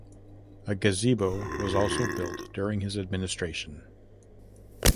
A gazebo was also built during his administration.